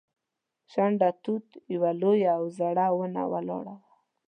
شنډه توت یوه لویه او زړه ونه ولاړه وه.